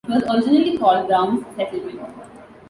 It was originally called Browns Settlement.